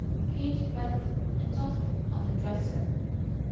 Kate read it and tossed it on the dresser.